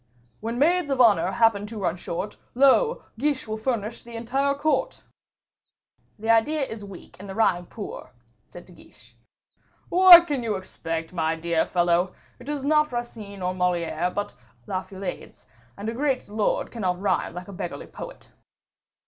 "When Maids of Honor happen to run short, Lo! Guiche will furnish the entire Court." "The idea is weak, and the rhyme poor," said De Guiche. "What can you expect, my dear fellow? it is not Racine's or Moliere's, but La Feuillade's; and a great lord cannot rhyme like a beggarly poet."